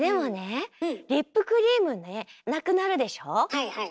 はいはい。